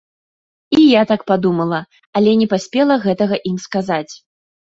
І я так падумала, але не паспела гэтага ім сказаць.